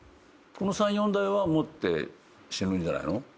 この３４台は持って死ぬんじゃないの？